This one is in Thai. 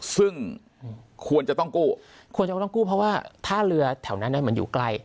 ซึ่งควรจะต้องกู้ควรจะต้องกู้เพราะว่าถ้าเรือแถวนั้นมันอยู่ใกล้